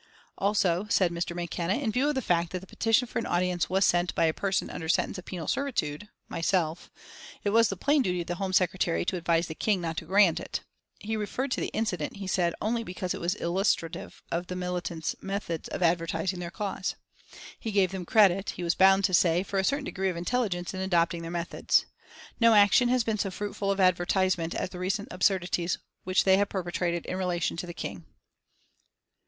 Also, said Mr. McKenna, in view of the fact that the petition for an audience was sent by a person under sentence of penal servitude myself it was the plain duty of the Home Secretary to advise the King not to grant it. He referred to the incident, he said, only because it was illustrative of the militant's methods of advertising their cause. He gave them credit, he was bound to say, for a certain degree of intelligence in adopting their methods. "No action has been so fruitful of advertisement as the recent absurdities which they have perpetrated in relation to the King."